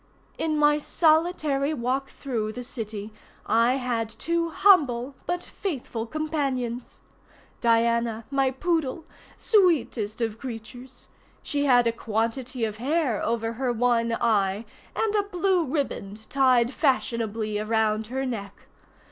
In my solitary walk through, the city I had two humble but faithful companions. Diana, my poodle! sweetest of creatures! She had a quantity of hair over her one eye, and a blue ribbon tied fashionably around her neck.